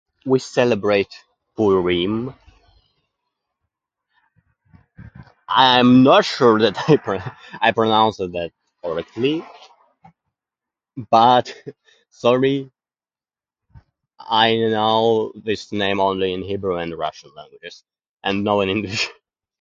We celebrate Purim. I'm not sure that I pronounce I pronounced that correctly. But, sorry, I know this name only in Hebrew and Russian languages, and no in English.